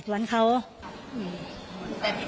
ถะเลาะกันเรื่องจับไฟ